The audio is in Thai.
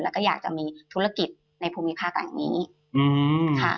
และจะต้องมีธุรกิจอยู่ในภูมิภาคอาเซีย